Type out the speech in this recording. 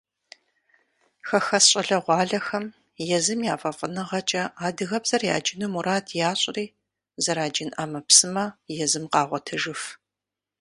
Хэхэс щӏалэгъуалэхэм езым я фӏэфӏыныгъэкӏэ адыгэбзэр яджыну мурад ящӏри, зэраджын ӏэмэпсымэ езым къагъуэтыжыф.